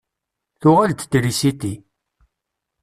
Tuɣal-d trisiti.